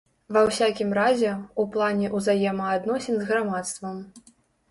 Ва ўсякім разе, у плане ўзаемаадносін з грамадствам.